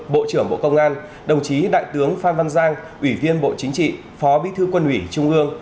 bộ trưởng bộ công an đồng chí đại tướng phan văn giang ủy viên bộ chính trị phó bí thư quân ủy trung ương